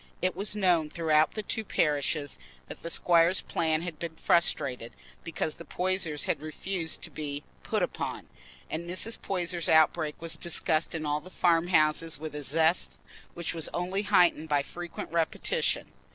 It was known throughout the two parishes that the squire's plan had been frustrated because the Poysers had refused to be "put upon," and Mrs. Poyser's outbreak was discussed in all the farm houses with a zest which was only heightened by frequent repetition.